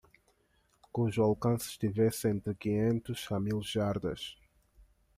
cujo alcance estivesse entre quinhentos a mil jardas.